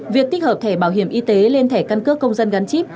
việc tích hợp thẻ bảo hiểm y tế lên thẻ căn cước công dân gắn chip